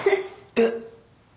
えっ！